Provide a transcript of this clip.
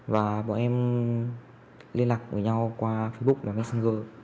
và bọn em liên lạc với nhau qua facebook là messenger